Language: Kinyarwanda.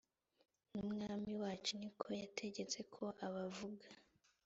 n umwami wacu ni ko yategetse ko abavuga